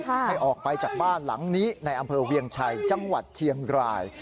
ให้ออกไปจากบ้านหลังนี้ในอำเภอเวียงชัยจังหวัดเชียงราย